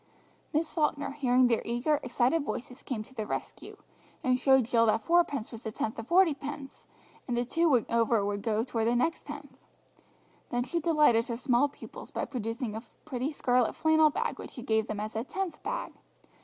Miss Falkner, hearing their eager, excited voices, came to the rescue, and showed Jill that fourpence was the tenth of forty pence, and the two over would go towards the next tenth. Then she delighted her small pupils by producing a pretty scarlet flannel bag which she gave them as a "Tenth" bag.